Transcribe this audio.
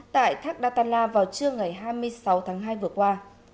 tại thác đa tàn la vào trưa ngày hai mươi sáu tháng hai vừa qua